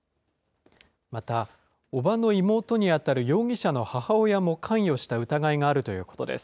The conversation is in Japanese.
また、伯母の妹に当たる容疑者の母親も関与した疑いがあるということです。